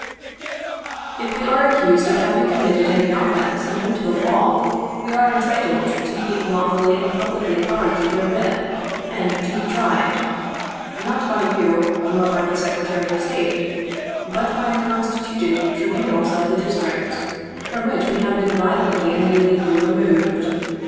"If we are accused of having committed any offence known to the law, we are entitled to be lawfully and publicly charged therewith, and to be tried — not by you, nor by the Secretary of State — but by the constituted tribunals of the District, from which we have been violently and illegally removed.